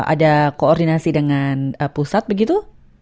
ada koordinasi dengan pusat begitu